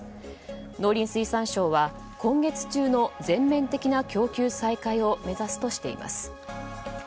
農林水産省は今月中の全面的な供給再開を目指すとしています。